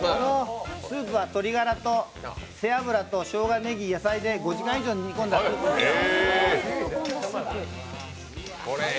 スープは鶏がらと背脂としょうがと野菜を５時間以上煮込んだものです。